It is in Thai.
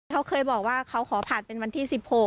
เขาเคยบอกว่าเขาขอผ่านเป็นวันที่๑๖